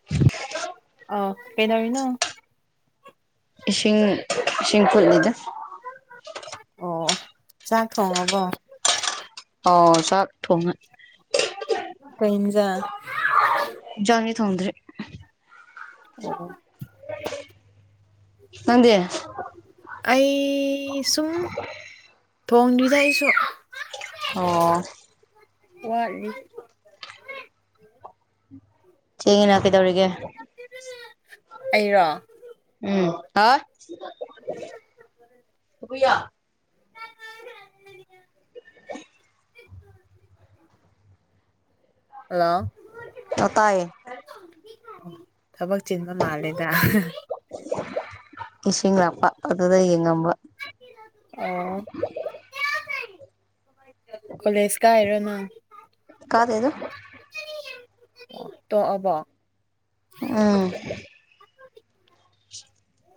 [inaudible] ꯑꯎ ꯀꯩꯗꯧꯔꯤꯅꯣ? ꯏꯁꯤꯡ ꯏꯁꯤꯡ ꯐꯨꯠꯂꯤꯗ꯫ ꯑꯣꯑꯣ ꯆꯥꯛ ꯊꯣꯡꯉꯕꯣ? ꯑꯣ ꯆꯥꯛ ꯊꯣꯡꯉꯦ꯫ ꯀꯩ ꯍꯤꯟꯖꯥꯡ꯫ ꯍꯤꯟꯖꯥꯡꯗꯤ ꯊꯣꯡꯗ꯭ꯔꯤ꯫ ꯅꯪꯗꯤ? ꯑꯩ ꯁꯨꯝ ꯊꯣꯡꯗ꯭ꯔꯤꯗ ꯑꯩꯁꯨ꯫ ꯑꯣ꯫ ꯋꯥꯠꯂꯤ꯫ ꯊꯦꯡꯉꯤꯅ ꯀꯩꯗꯧꯔꯤꯒꯦ? ꯑꯩꯔꯣ? ꯎꯝ ꯍꯥ꯫ ꯍꯨꯏꯌꯥ꯫ [inaudible] ꯍꯜꯂꯣ ꯑꯣ ꯇꯥꯏꯌꯦ ꯊꯕꯛ ꯆꯤꯟꯕ ꯃꯥꯜꯂꯦꯗ꯫ ꯏꯁꯤꯡ ꯂꯥꯛꯄ ꯑꯗꯨꯗ ꯑꯩ ꯌꯦꯡꯉꯝꯕ꯫ ꯑꯣ꯫ ꯀꯣꯂꯦꯖ ꯀꯔꯤꯔꯣ ꯅꯪ? ꯀꯗꯦꯗ꯫ ꯑꯣ ꯇꯣꯛꯑꯕꯣ? ꯎꯝ꯫ [inaudible]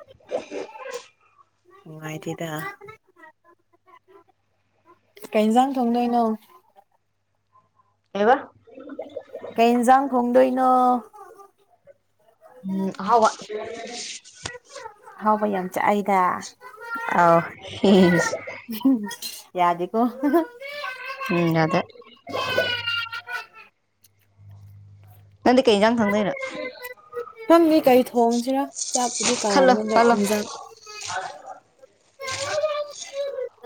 [unintelligible] ꯅꯨꯡꯉꯥꯏꯇꯦꯗ ꯀꯩ ꯏꯟꯁꯥꯡ ꯊꯣꯡꯗꯣꯏꯅꯣ? ꯀꯩꯕ? ꯀꯩ ꯏꯟꯁꯥꯡ ꯊꯣꯡꯗꯣꯏꯅꯣ? ꯎꯝ ꯑꯍꯥꯎꯕ꯫ ꯑꯍꯥꯎꯕ ꯌꯥꯝ ꯆꯥꯏꯗ꯫ ꯑꯥꯎ ꯍꯦꯍꯦꯏꯁ꯫ ꯎꯝꯍꯨꯝ ꯌꯥꯗꯦꯀꯣ꯫ ꯎꯝ ꯌꯥꯗꯦ꯫ ꯅꯪꯗꯤ ꯀꯩ ꯌꯦꯟꯖꯥꯡ ꯊꯣꯡꯗꯣꯏꯅꯣ ꯈꯪꯗꯦ ꯀꯔꯤ ꯊꯣꯡꯁꯤꯔꯥ ꯆꯥꯛꯄꯨꯗꯤ ꯈꯜꯂꯣ ꯀꯥꯝꯃꯦ ꯑꯗꯣ ꯈꯜꯂꯣ ꯌꯦꯟꯖꯥꯡ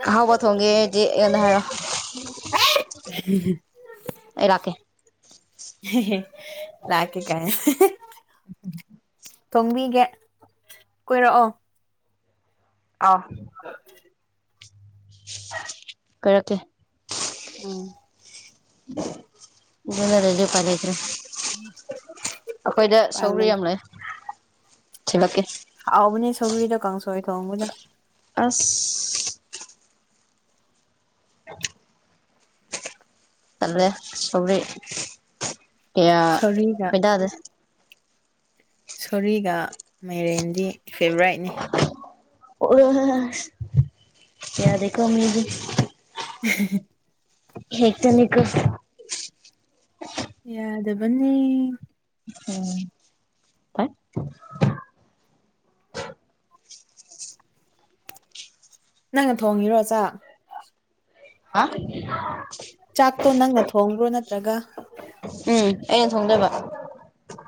ꯑꯍꯥꯎꯕ ꯊꯣꯡꯒꯦꯗꯤ ꯑꯩꯉꯣꯟꯗ ꯍꯥꯏꯔꯛꯑꯣ [unintelligible] [inaudible] ꯑꯩ ꯂꯥꯛꯀꯦ ꯂꯥꯛꯀꯦ ꯀꯥꯏꯅ ꯊꯣꯡꯕꯤꯒꯦ ꯀꯣꯏꯔꯛꯑꯣ ꯑꯧ ꯀꯣꯔꯛꯀꯦ ꯎꯝ ꯕꯖꯥꯔ ꯂꯩꯔꯁꯨ ꯎꯄꯥꯏ ꯂꯩꯇ꯭ꯔꯦ ꯑꯩꯈꯣꯏꯗ ꯁꯧꯒ꯭ꯔꯤ ꯌꯥꯝ ꯂꯩ ꯊꯤꯜꯂꯛꯀꯦ ꯍꯥꯎꯕꯅꯦ ꯁꯧꯒ꯭ꯔꯤꯗꯣ ꯀꯥꯡꯁꯣꯏ ꯊꯣꯡꯕꯗꯣ ꯑꯁ [inaudible] ꯇꯜꯂꯦ ꯁꯧꯒ꯭ꯔꯤ ꯀꯌꯥ ꯁꯧꯔꯤꯒ ꯈꯣꯏꯗꯥꯗꯦ ꯁꯣꯔꯤꯒ ꯃꯦꯔꯦꯟꯗꯤ ꯐꯦꯕꯣꯔꯥꯏꯠꯅꯤ ꯑꯣꯛꯂꯦ ꯍꯥ ꯍꯥ ꯌꯥꯗꯦꯀꯣ ꯃꯤꯗꯤ [unintelligible] ꯍꯦꯛꯇꯠꯂꯦꯀꯣ ꯌꯥꯗꯕꯅꯦ ꯑꯣ ꯑꯩ ꯅꯪꯅ ꯊꯣꯡꯉꯤꯔꯣ ꯆꯥꯛ ꯍꯥ ꯆꯥꯛꯇꯣ ꯅꯪꯅ ꯊꯣꯡꯕ꯭ꯔꯣ ꯅꯠꯇ꯭ꯔꯒ ꯎꯝ ꯑꯩꯅ ꯊꯣꯡꯗꯣꯏꯕ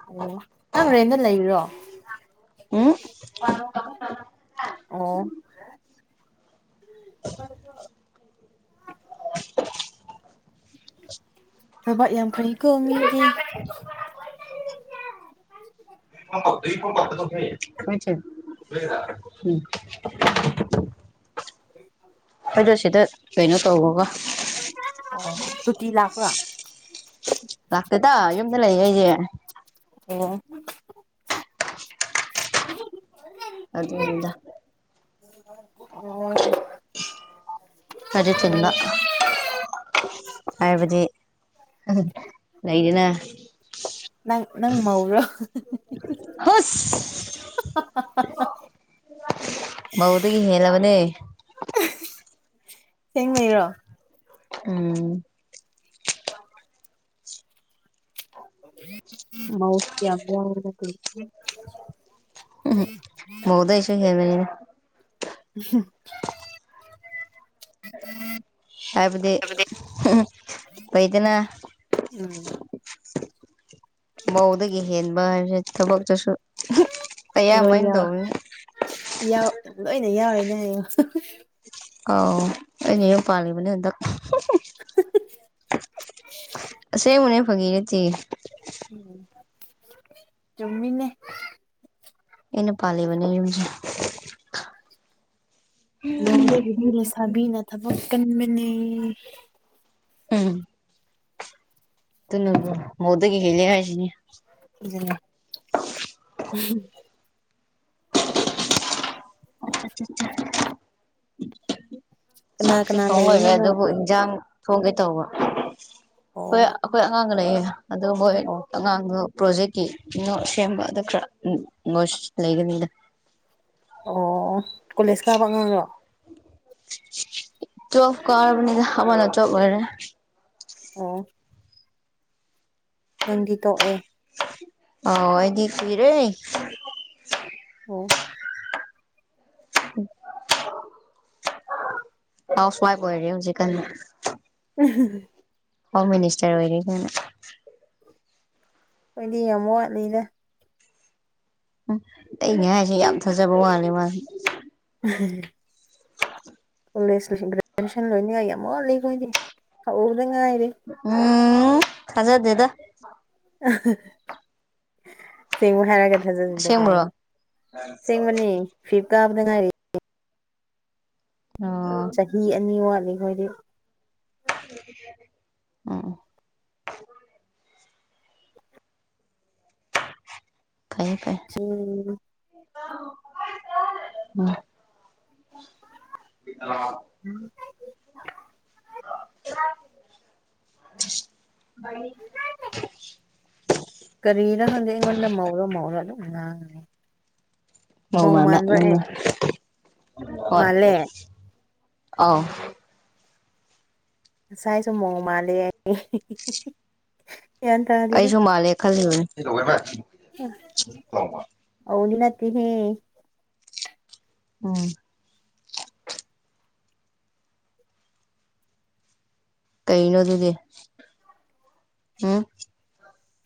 ꯑꯣ ꯅꯪ ꯔꯦꯟꯗ ꯂꯩꯔꯤꯔꯣ ꯎꯝ ꯑꯣ [inaudible] ꯊꯕꯛ ꯌꯥꯝ ꯐꯩ ꯀꯣ ꯃꯤꯗꯤ [unintelligible] [inaudible] ꯑꯩꯗꯣ ꯁꯤꯗ ꯀꯩꯅꯣ ꯇꯧꯔꯒ ꯑꯣ ꯇꯣꯇꯤ ꯂꯥꯛꯄꯔꯥ ꯂꯥꯛꯇꯦꯗ ꯌꯨꯝꯗ ꯂꯩ ꯑꯩꯗꯤ ꯑꯣ [inaudible] ꯑꯗꯨꯅꯤꯗ ꯑꯣ ꯑꯣ ꯈꯥꯔꯗꯤ ꯆꯤꯟꯕꯥ ꯍꯥꯏꯕꯗꯤ ꯂꯩꯗꯅ ꯅꯪ ꯅꯪ ꯃꯧꯔꯣ ꯍꯨꯁ ꯃꯧꯗꯒꯤ ꯍꯦꯜꯂꯕꯅꯦ ꯊꯦꯡꯕꯩꯔꯣ ꯎꯝ [inaudible] ꯃꯧꯁꯤ ꯌꯥꯝ [unintelligible] ꯎꯝ ꯃꯧꯗꯩꯁꯨ ꯍꯦꯜꯂꯦ꯫ ꯎꯝ ꯍꯥꯏꯕꯗꯤ ꯍꯨꯝ ꯍꯨꯝ ꯂꯩꯗꯅ__ ꯎꯝ ꯃꯧꯗꯒꯤ ꯍꯦꯟꯕ ꯍꯥꯏꯕꯁꯦ ꯊꯕꯛꯇꯁꯨ__ ꯂꯣꯏꯟ ꯌꯥꯎ ꯂꯣꯏꯅ ꯌꯥꯎꯔꯤꯅꯦ ꯍꯥꯏꯌꯣ __ ꯑꯥꯎ ꯑꯩꯅ ꯌꯨꯝ ꯄꯥꯜꯂꯤꯕꯅꯦ ꯍꯟꯗꯛ __ [inaudible] ꯑꯁꯦꯡꯕꯅꯦ ꯐꯒꯤ ꯅꯠꯇꯤ__ ꯎꯝ ꯆꯨꯝꯃꯤꯅꯦ__ ꯑꯩꯅ ꯄꯜꯂꯤꯕꯅꯦ ꯌꯨꯝꯁꯨ__ ꯃꯧꯗꯒꯤꯗꯤ ꯂꯩꯁꯥꯕꯤꯅ ꯊꯕꯛ ꯀꯟꯕꯅꯦ__ ꯎꯝ ꯇꯨꯅꯕꯨ ꯃꯧꯗꯒꯤ ꯍꯦꯜꯂꯤ ꯍꯥꯏꯁꯤꯅꯤ __ ꯑꯗꯨꯅꯤ __ ꯑꯆꯥꯆꯥ __ ꯀꯅꯥ ꯆꯥꯛꯁꯦ ꯀꯅꯥ ꯊꯣꯡꯂꯣꯏꯔꯦ ꯂꯩꯔꯤꯅꯣ ꯅꯪ ꯑꯗꯨꯕꯨ ꯏꯟꯖꯥꯡ ꯊꯣꯡꯒꯦ ꯇꯧꯕ ꯑꯣ ꯈꯣꯏ __ ꯈꯣꯏ ꯑꯉꯥꯡꯒ ꯂꯩꯌꯦ ꯑꯗꯨꯍꯣꯏ ꯑꯣ ꯑꯉꯥꯡꯗꯨ__ ꯄ꯭ꯔꯣꯖꯦꯛꯀꯤ ꯏꯅꯣ ꯁꯦꯝꯕ ꯑꯗ ꯈꯔ ꯅꯣꯏꯁ ꯂꯩꯒꯅꯤꯗ __ ꯑꯣ ꯑꯣ ꯀꯣꯂꯦꯖ ꯀꯥꯕ ꯑꯉꯥꯡꯔꯣ ꯇꯨꯋꯦꯜꯐ ꯀꯥꯔꯕꯅꯤꯗ ꯑꯃꯅ ꯇꯨꯌꯦꯜꯞ ꯂꯣꯏꯔꯦ__ ꯑꯣ ꯅꯪꯗꯤ ꯇꯣꯛꯑꯦ ꯑꯣ ꯑꯩꯗꯤ ꯀꯨꯏꯔꯦ ꯑꯣ ꯎꯝ ꯍꯥꯎꯁ ꯋꯥꯏꯐ ꯑꯣꯏꯔꯦ ꯍꯨꯖꯤꯛꯀꯟꯅ [inaudible] ꯍꯣꯝ ꯃꯤꯅꯤꯁꯇꯔ ꯑꯣꯏꯔꯦ ꯀꯟꯅ __ ꯈꯣꯏꯗꯤ ꯌꯥꯝ ꯋꯥꯠꯅꯤꯗ ꯑꯩꯅ ꯍꯥꯏꯖꯦ ꯌꯥꯝ ꯐꯖꯕ ꯋꯥꯠꯂꯦ ꯃꯥꯁꯦ [inaudible] [inaudible] ꯀꯣꯂꯦꯖ ꯂꯣꯏꯁꯤꯟ ꯒ꯭ꯔꯦꯖꯨꯑꯦꯁꯟ ꯂꯣꯏꯅꯤꯡꯉꯥꯏ ꯌꯥꯝ ꯋꯥꯜꯂꯤꯈꯣꯏꯗꯤ ꯍꯧꯕꯗ ꯉꯥꯏꯔꯤ ꯎꯝ ꯊꯥꯖꯗꯦꯗ ꯁꯤꯡꯉꯣ ꯍꯥꯏꯔꯒ [unintelligible] ꯑꯁꯦꯡꯕ꯭ꯔꯣ ꯑꯁꯦꯡꯕꯅꯤ ꯐꯤꯞ ꯀꯥꯕꯗ ꯉꯥꯏꯔꯤ ꯑꯣ ꯆꯍꯤ ꯑꯅꯤ ꯋꯥꯠꯂꯤꯈꯣꯏꯗꯤ ꯑꯣ ꯑꯣ ꯐꯩꯌꯦ ꯐꯩ ꯁꯨꯡ [unintelligible] ꯃꯥ [unintelligible] ꯎꯝ [unintelligible] ꯀꯔꯤꯅꯣ ꯈꯪꯗꯦ ꯑꯩꯉꯣꯟꯗ ꯃꯧꯔꯣ ꯃꯧꯔꯣ ꯑꯗꯨꯝ ꯉꯥꯡꯒꯅꯤ ꯃꯧ ꯃꯥꯟꯕ ꯅꯪꯗꯣ ꯍꯣꯏ ꯃꯥꯜꯂꯦ ꯑꯧ ꯉꯁꯥꯏꯁꯨ ꯃꯧ ꯃꯥꯜꯂꯦꯌꯦ ꯌꯥꯟ ꯇꯥ ꯑꯩꯁꯨ ꯃꯥꯜꯂꯦ ꯈꯜꯂꯤꯕꯅꯦ [unintelligible] ꯑꯧꯗꯤ ꯅꯠꯇꯦꯍꯦ ꯎꯝ ꯀꯩꯅꯣ ꯑꯗꯨꯗꯤ ꯎꯝ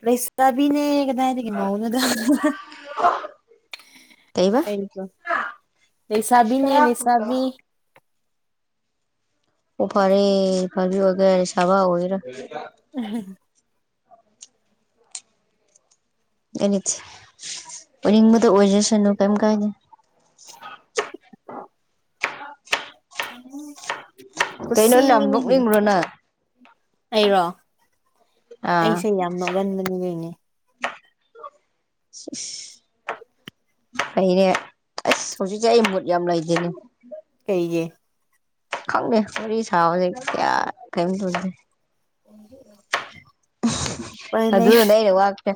ꯂꯩꯁꯥꯕꯤꯅꯦ ꯀꯗꯥꯏꯗꯒꯤ ꯃꯧꯅꯣꯗ ꯀꯩꯕ ꯑꯩꯀꯣ ꯂꯩꯁꯥꯕꯤꯅꯦ ꯂꯩꯁꯥꯕꯤ ꯑꯣ ꯐꯔꯦ ꯐꯕꯤ ꯑꯣꯏꯒꯦꯔ ꯏꯟꯁꯥꯕ ꯑꯣꯏꯒꯦꯔ [unintelligible] ꯑꯦꯅꯤꯠꯁ ꯑꯣꯏꯅꯤꯡꯕꯗ ꯑꯣꯏꯖꯁꯅꯨ ꯀꯩꯝ ꯀꯥꯏꯅꯤ ꯀꯩꯅꯣ ꯌꯥꯝ ꯀꯨꯁꯤꯅꯤ ꯅꯣꯛꯅꯤꯡꯕ꯭ꯔꯣ ꯅꯪ ꯑꯩꯔꯣ ꯑꯥ ꯑꯩꯁꯦ ꯌꯥꯝ ꯅꯣꯛꯒꯟꯕꯅꯤ ꯗꯨꯏꯅꯦ ꯁꯦꯏꯁ ꯐꯩꯅꯦ ꯑꯁ ꯍꯧꯖꯤꯛꯁꯦ ꯑꯩ ꯃꯨꯠ ꯌꯥꯝ ꯂꯩꯗꯦꯅꯦ ꯀꯩꯒꯤ ꯈꯪꯗꯦ ꯋꯥꯔꯤ ꯁꯥꯕꯖꯤ ꯀꯌꯥ ꯀꯩꯌꯤꯝ ꯇꯧꯗꯦ [unintelligible] ꯎꯄꯥꯏ ꯂꯩ ꯑꯗꯨꯅꯅꯦ ꯑꯩꯅ ꯋꯥꯇꯦ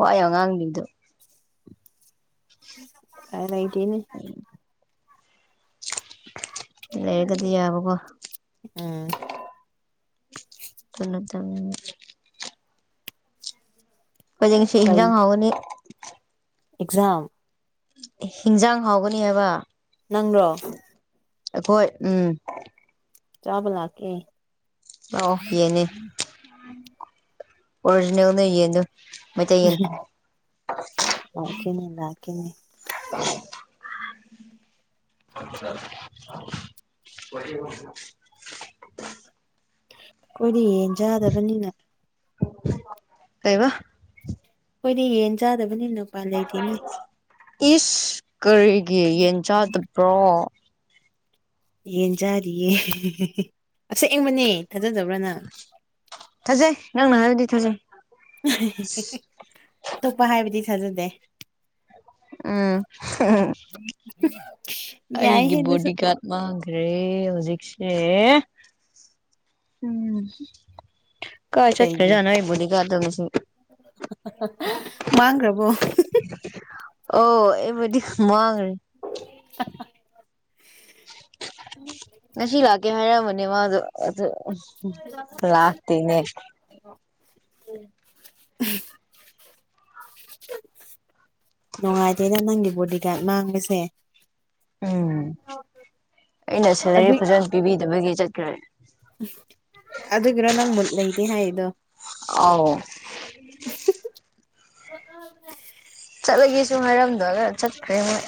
ꯋꯥ ꯌꯥꯝ ꯉꯥꯡꯗ꯭ꯔꯤꯗꯣ ꯄꯥꯏ ꯂꯩꯇꯦꯅꯦ [unintelligible] ꯂꯩꯔꯒꯗꯤ ꯌꯥꯕꯀꯣ ꯎꯝ ꯑꯗꯨ ꯅꯠꯇꯕꯅꯤꯅ ꯈꯣꯏꯗꯤ ꯉꯁꯤ ꯀꯩ ꯏꯟꯖꯥꯡ ꯍꯥꯎꯒꯅꯤ ꯑꯦꯛꯖꯥꯝ ꯍꯤꯟꯖꯥꯡ ꯍꯥꯎꯒꯅꯤ ꯍꯥꯏꯕ ꯅꯪꯔꯣ ꯑꯩꯈꯣꯏ ꯎꯝ ꯆꯥꯕ ꯂꯥꯛꯀꯦ ꯂꯥꯛꯑꯣ ꯌꯦꯟꯅꯦ ꯑꯣꯔꯤꯖꯤꯅꯦꯜꯅꯦ ꯌꯦꯟꯗꯣ ꯃꯩꯇꯩ ꯌꯦꯟ ꯂꯥꯛꯀꯦꯅꯦ ꯂꯥꯛꯀꯦꯅꯦ [unintelligible] [unintelligible] ꯑꯩꯈꯣꯏꯗꯤ ꯌꯦꯟ ꯆꯥꯗꯕꯅꯤꯅ ꯀꯩꯕ ꯑꯩꯈꯣꯏꯗꯤ ꯌꯦꯟ ꯆꯥꯗꯕꯅꯤꯅ ꯎꯄꯥꯏ ꯂꯩꯇꯦꯅꯦ ꯏꯁ ꯀꯔꯤꯒꯤ ꯌꯦꯟ ꯆꯥꯗꯕ꯭ꯔꯣ ꯌꯦꯟ ꯆꯥꯗꯤꯌꯦ ꯑꯁꯦꯡꯕꯅꯦ ꯊꯥꯖꯗꯕ꯭ꯔ ꯅꯪ ꯊꯥꯖꯩ ꯅꯪꯅ ꯍꯥꯏꯕꯗꯤ ꯊꯥꯖꯩ ꯑꯇꯣꯞꯄ ꯍꯥꯏꯕꯗꯤ ꯊꯥꯖꯗꯦ ꯎꯝ [inaudible] ꯑꯩꯒꯤ ꯑꯗꯨꯁꯨ ꯕꯣꯗꯤꯒꯥꯔꯗ ꯃꯥꯡꯈ꯭ꯔꯦ ꯍꯧꯖꯤꯛꯁꯦ ꯎꯝ ꯀꯥꯏ ꯆꯀꯖꯅ ꯑꯩꯕ‌ꯣꯗꯤꯒꯥꯠꯗ‌ꯣ ꯉꯥꯁꯤ ꯃꯥꯡ꯭ꯒꯔꯕꯣ ꯑꯣ ꯑꯩꯕ‌ꯣꯗꯤ ꯃꯥꯡꯒꯔ‌ꯦ [inaudible] ꯉꯁꯤ ꯂꯥꯛꯀꯦ ꯍꯥꯏꯔꯝꯕꯅꯦ ꯃꯥꯗꯣ ꯑꯗꯨ ꯑ ꯂꯥꯛꯇꯅꯦ [inaudible] ꯅꯨꯡꯉꯥꯏꯇ‌ꯦꯅ‌ꯦ ꯅꯪꯒꯤ ꯕꯣꯗꯤꯒꯥꯔꯗ ꯃꯥꯡꯕꯁꯦ ꯎꯝ ꯑꯩꯅ ꯑꯗꯨ ꯁꯦꯂꯔꯤ ꯐꯖꯅ ꯄꯤꯕꯤꯗꯕꯒꯤ ꯆꯠꯈ꯭ꯔꯦ ꯑꯗꯨꯒꯤꯔꯣ ꯅꯪ ꯃꯨꯠ ꯂꯩꯇꯦ ꯍꯥꯏꯔꯤꯗꯣ ꯑꯥꯎ [inaudible] ꯆꯠꯂꯒ‌ꯦꯁꯨ ꯍꯥꯏꯔꯝꯗꯒ ꯆꯠꯈ꯭ꯔꯦ ꯃꯣꯏ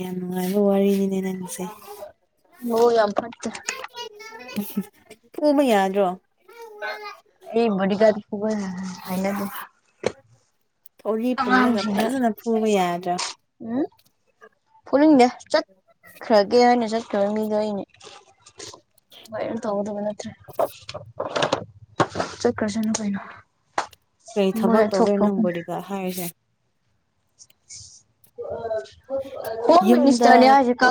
ꯌꯥꯝ ꯅꯨꯡꯉꯥꯏꯕ ꯋꯥꯔꯤꯅꯤꯅꯦ ꯅꯪꯒꯤꯁꯦ ꯃꯕꯨꯛ ꯌꯥꯝ ꯐꯠꯇ ꯐꯨꯕ ꯌꯥꯗꯔ‌ꯣ ꯑꯩ ꯕ‌ꯣꯗꯤꯒꯥꯔꯗ ꯐꯨꯕ ꯍꯥꯏꯅ ꯗ‌ꯦ ꯊꯧꯔꯤ ꯄꯨꯜꯂꯒ ꯑꯉꯥꯡꯁꯤꯡꯁꯦ ꯐꯖꯅ ꯐꯨꯕ ꯌꯥꯗ꯭ꯔꯥ [unintelligible] ꯈꯪꯗ‌ꯦ ꯆꯠꯈ꯭ꯔꯒꯦꯅ ꯆꯠꯈ꯭ꯔꯕ ꯃꯤꯗꯣ ꯑꯩꯅꯦ ꯅꯨꯡꯉꯥꯏꯔ ꯇꯧꯗꯧꯕ ꯅꯠꯇ꯭ꯔꯦ ꯆꯠꯈ꯭ꯔꯁꯅꯨ ꯀꯩꯅꯣ ꯀꯩ ꯊꯕꯛ ꯃꯣꯏꯅ ꯊꯣꯛ ꯇꯧꯕꯩꯅ‌ꯣ ꯊꯣꯛꯄꯅꯦ ꯅꯪꯕ‌ꯣꯗꯤꯒꯥꯔꯗ ꯍꯥꯏꯔꯤꯁꯦ [unintelligible] ꯍꯣꯝ ꯃꯤꯅꯤꯁꯇꯔꯅꯦ ꯌꯨꯝꯗ ꯍꯧꯖꯤ ꯀ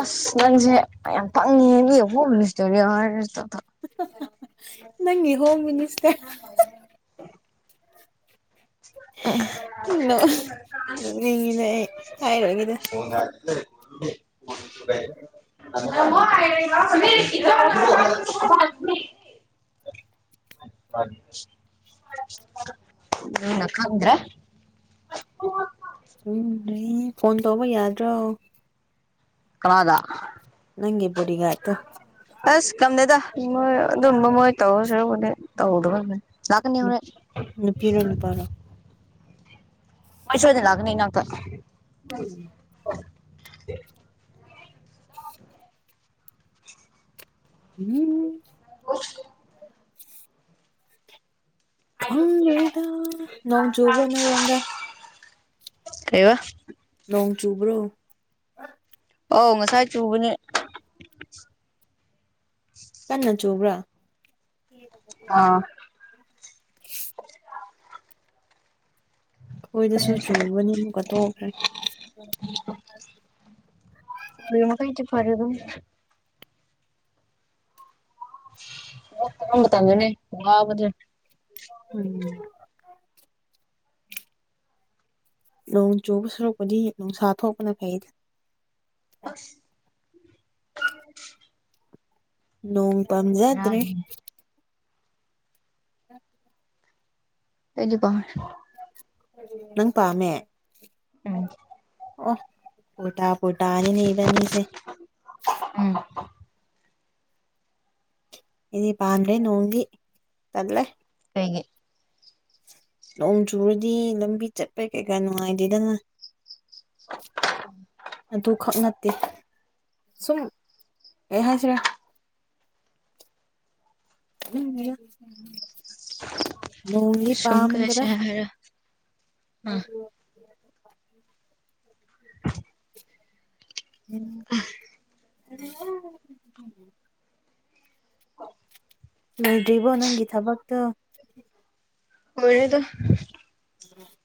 ꯑꯁ ꯅꯪꯁꯦ ꯌꯥꯝ ꯄꯪꯉꯦ ꯃꯤꯅ ꯍ‌ꯣꯝꯃꯤꯅꯤꯁꯇ꯭ꯔꯅ‌ꯦ ꯍꯥꯏꯔ ꯇ ꯇ ꯅꯪꯒꯤ ꯍꯣꯝ ꯃꯤꯅꯤꯁꯇꯔ [unintelligible] ꯅꯣꯛꯅꯤꯡꯉꯤꯅꯦ ꯑꯩ ꯍꯥꯏꯔꯣꯏꯒꯦꯗ [unintelligible] [unintelligible] [inaudible] [inaudible] [inaudible] ꯎꯅ ꯈꯪꯗ꯭ꯔ‌ꯦ ꯎꯝ ꯂꯩ ꯐꯣꯟ ꯇꯧꯕ ꯌꯥꯗ꯭ꯔꯣ ꯀꯅꯥꯗ ꯅꯪꯒꯤ ꯕꯣꯗꯤ ꯒꯔꯗꯇꯣ ꯑꯁ ꯀꯝꯗ‌ꯦꯗ ꯃꯣꯏ ꯑꯗꯨꯝꯕ ꯃꯣꯏ ꯇꯧꯔ ꯁꯔꯨꯛ ꯄꯨꯗꯤ ꯇꯧꯗꯕꯅ ꯐꯩ ꯂꯥꯛꯀꯅꯤ ꯍꯣꯔꯦꯟ ꯅꯨꯄꯤꯔꯣ ꯅꯨꯄꯥꯔꯣ ꯃꯥ ꯁꯣꯏꯗꯅ ꯂꯥꯛꯀꯅꯤ ꯏꯅꯥꯛꯇ [inaudible] [inaudible] [unintelligible] [inaudible] ꯈꯪꯗꯦꯗ ꯅꯣꯡ ꯆꯨꯕ꯭ꯔꯣ ꯅꯣꯏꯔꯣꯝꯗ ꯀꯩꯕ ꯅꯣꯡ ꯆꯨꯕ꯭ꯔꯣ ꯑꯧ ꯉꯥꯁꯥꯏ ꯆꯨꯕꯅꯦ ꯀꯟꯅ ꯆꯨꯕ꯭ꯔꯥ ꯑꯥ ꯑꯩꯈꯣꯏꯗꯁꯨ ꯆꯨꯕꯅꯤ ꯑꯃꯨꯛꯀ ꯇꯣꯛꯈ꯭ꯔꯦ [unintelligible] ꯐꯔꯦꯒ ꯂꯧ ꯃꯇꯝꯅꯤꯅꯦ ꯋꯥꯕꯅꯦ ꯎꯝ ꯅꯣꯡ ꯆꯨꯕ ꯁꯔꯨꯛꯄꯗꯤ ꯅꯨꯡꯁꯥ ꯊꯣꯛꯄꯅ ꯐꯩꯗ ꯑꯁ [unintelligible] ꯅꯣꯡ ꯄꯥꯝꯖꯗ꯭ꯔꯦ ꯕꯦꯔꯥꯅꯤ [inaudible] ꯑꯩꯗꯤ ꯀꯣ ꯅꯪ ꯄꯥꯝꯃꯦ [unintelligible] ꯑꯣ ꯄꯣꯇꯥ ꯄꯣꯇꯥꯅꯤꯅꯦ ꯏꯕꯥꯟꯅꯤꯁꯦ ꯎꯝ ꯑꯩꯗꯤ ꯄꯥꯝꯗ꯭ꯔꯦ ꯅꯣꯡꯗꯤ ꯇꯜꯂꯦ ꯀꯩꯒꯤ ꯅꯣꯡ ꯆꯨꯔꯗꯤ ꯂꯝꯕꯤ ꯆꯠꯄ ꯀꯩꯀꯥ ꯅꯨꯡꯉꯥꯏꯇꯦꯗꯅ ꯑꯗꯨꯈꯛ ꯅꯠꯇꯦ ꯁꯨꯝ ꯀꯩ ꯍꯥꯏꯁꯤꯔ ꯇꯨꯝꯅꯤꯡꯗꯦꯗꯥ ꯅꯣꯡꯗꯤ ꯁꯨꯝ ꯄꯥꯝꯒ꯭ꯔꯦ ꯀꯩꯁꯦ ꯍꯥꯏꯔ ꯑꯥ [unintelligible] ꯎꯝ [unintelligible] ꯑꯣ ꯂꯣꯏꯗ꯭ꯔꯤꯕꯣ ꯅꯪꯒꯤ ꯊꯕꯛꯇꯣ ꯂꯣꯏꯔꯦꯗ [unintelligible]